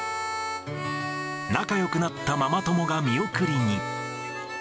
仲よくなったママ友が見送りに。